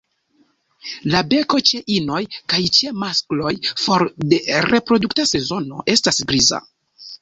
La beko ĉe inoj kaj ĉe maskloj for de la reprodukta sezono estas griza.